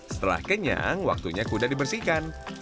setelah kenyang waktunya kuda dibersihkan